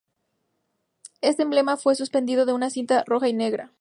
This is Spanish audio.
Este emblema fue suspendido de una cinta roja y negra.